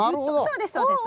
そうですそうです。